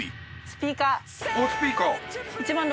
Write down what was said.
スピーカー。